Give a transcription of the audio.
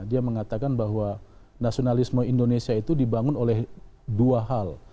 dia mengatakan bahwa nasionalisme indonesia itu dibangun oleh dua hal